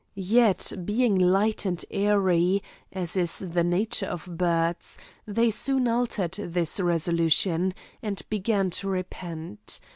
Yet, being light and airy, as is the nature of birds, they soon altered this resolution, and began to repent.